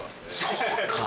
そうか。